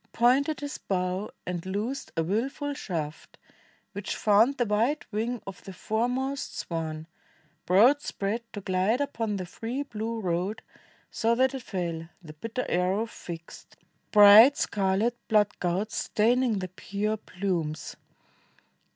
Pointed his bow, and loosed a willful shaft Which found the wide wing of the foremost swan Broad spread to glide upon the free blue road, So that it fell, the bitter arrow fixed, Bright scarlet blood gouts staining the pure plumes.